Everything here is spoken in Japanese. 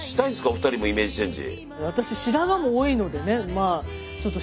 お二人もイメージチェンジ。